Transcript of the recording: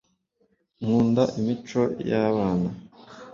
nkunda imico y’ abana